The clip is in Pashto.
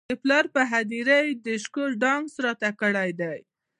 د پلار پر هدیره یې ډیشکو ډانس راته کړی دی.